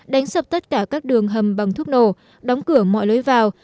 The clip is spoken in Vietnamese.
đánh sập tất cả các đường hầm bằng thuốc nổ đóng cửa mọi lưới vào